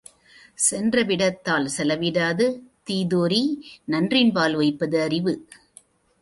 சென்ற விடத்தாற் செலவிடாது தீதுஒரீஇ நன்றின்பா லுய்ப்ப தறிவு.